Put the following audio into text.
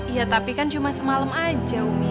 iya tapi kan cuma semalam aja umi